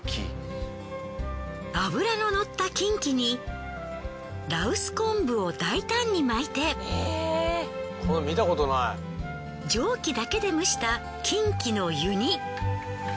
脂ののったキンキに羅臼昆布を大胆に巻いて蒸気だけで蒸したキンキの湯煮。